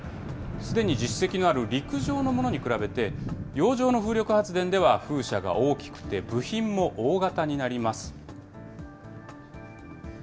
すでに実績のある陸上のものに比べて、洋上の風力発電では、風車が大きくて部品も大型になります。